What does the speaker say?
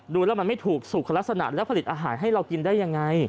ดูแล้วมันไม่ถูกสุขลักษณะและผลิตอาหารให้เรากินได้ยังไง